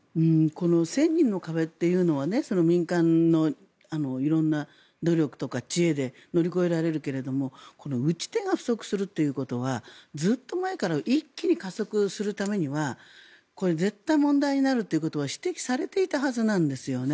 １０００人の壁というのは民間の色んな努力とか知恵で乗り越えられるけれども打ち手が不足するということはずっと前から一気に加速するためには絶対問題になるということは指摘されていたはずなんですよね。